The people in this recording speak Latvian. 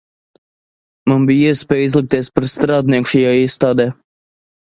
Man bija iespēja izlikties par strādnieku šajā iestādē.